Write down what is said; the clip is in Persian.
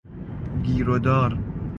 گیر و دار